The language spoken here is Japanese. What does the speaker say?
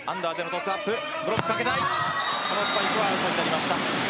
このスパイクはアウトになりました。